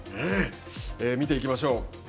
見ていきましょう。